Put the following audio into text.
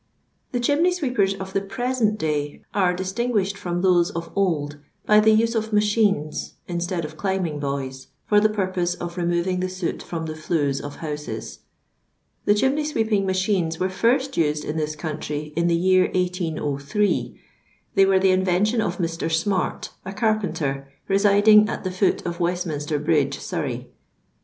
The chimney sweepers of the present day aif distinguished from those of old by the use of machines instead of climbing boys, for the purpose of removing the soot from the ifuus of houses. The chinmey sweeping machines weri first used in this country in the year 18U3. They were the invention of Mr. Smart, a carpenter, residing a: the foot of Westminster bridge, Sarroy.